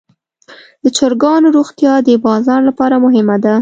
د چرګانو روغتیا د بازار لپاره مهمه ده.